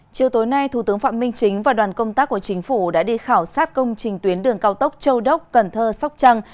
chiều tối nay thủ tướng phạm minh chính và đoàn công tác của chính phủ đã đi khảo sát công trình tuyến đường cao tốc châu đốc cần thơ sóc trăng